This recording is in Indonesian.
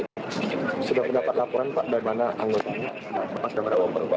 ada agenda nya apa pak